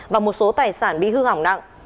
và một số tài sản bị hư hỏng nặng